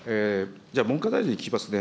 じゃあ、文科大臣に聞きますね。